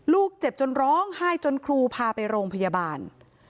เจ็บจนร้องไห้จนครูพาไปโรงพยาบาล